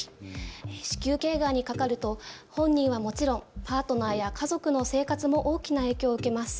子宮頸がんにかかると本人はもちろんパートナーや家族の生活も大きな影響を受けます。